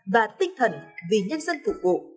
và tinh thần vì nhân dân phục vụ